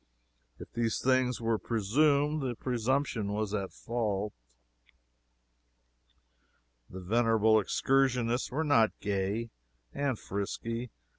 If these things were presumed, the presumption was at fault. The venerable excursionists were not gay and frisky.